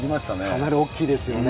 かなり大きいですよね。